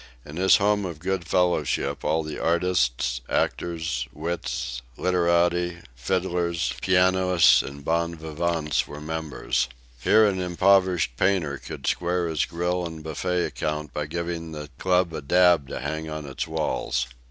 In this home of good fellowship all the artists, actors, wits, literati, fiddlers, pianists and bon vivants were members. Here an impoverished painter could square his grill and buffet account by giving the club a daub to hang on its walls.